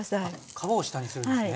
皮を下にするんですね？